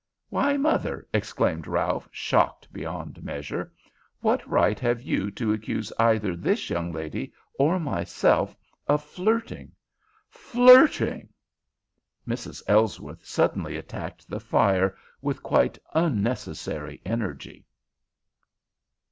"Why mother," exclaimed Ralph, shocked beyond measure. "What right have you to accuse either this young lady or myself of flirting? Flirting!" Mrs. Ellsworth suddenly attacked the fire with quite unnecessary energy.